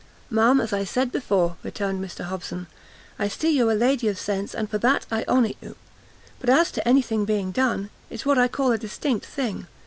"Ma'am, as I said before," returned Mr Hobson, "I see you're a lady of sense, and for that I honour you; but as to any thing being done, it's what I call a distinct thing.